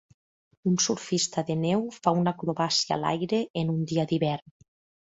Un surfista de neu fa una acrobàcia a l'aire en un dia d'hivern.